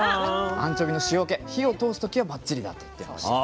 アンチョビの塩気火を通すとばっちりだと言っていました。